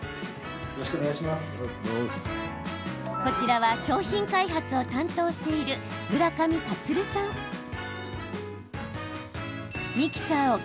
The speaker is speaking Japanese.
こちらは商品開発を担当している村上樹さん。